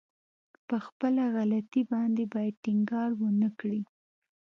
په خپله غلطي باندې بايد ټينګار ونه کړي.